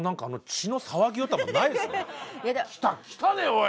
来た来たでおい！